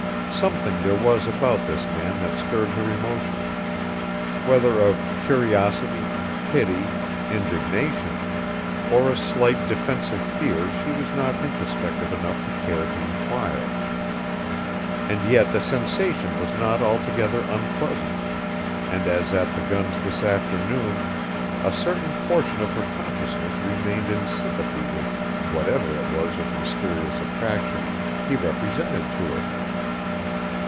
Something there was about this man that stirred her emotions whether of curiosity, pity, indignation, or a slight defensive fear she was not introspective enough to care to inquire. And yet the sensation was not altogether unpleasant, and, as at the guns that afternoon, a certain portion of her consciousness remained in sympathy with whatever it was of mysterious attraction he represented to her.